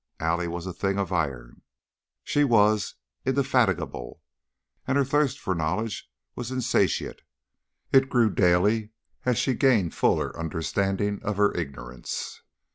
Allie was a thing of iron; she was indefatigable; and her thirst for knowledge was insatiate; it grew daily as she gained fuller understanding of her ignorance.